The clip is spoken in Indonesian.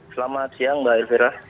selamat siang mbak elvira